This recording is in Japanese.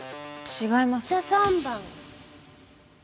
違いますよ。